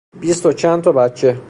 بیست و چند تا بچه